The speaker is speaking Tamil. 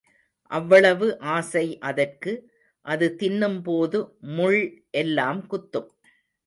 அவ்வளவு ஆசை அதற்கு, அது தின்னும் போது முள் எல்லாம் குத்தும்.